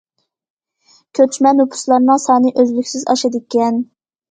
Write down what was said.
كۆچمە نوپۇسلارنىڭ سانى ئۈزلۈكسىز ئاشىدىكەن.